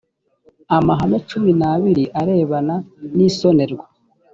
amahame cumi n’abiri arebana n’isonerwa